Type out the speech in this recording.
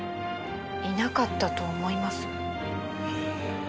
いなかったと思います。